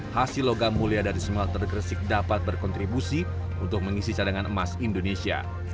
hasil logam mulia dari smelter gresik dapat berkontribusi untuk mengisi cadangan emas indonesia